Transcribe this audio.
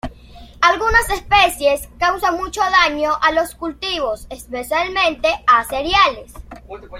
Algunas especies causan mucho daño a los cultivos, especialmente a cereales.